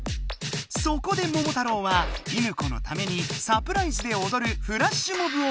そこでモモタロウは犬子のためにサプライズでおどるフラッシュモブを計画。